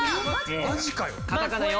マジかよ。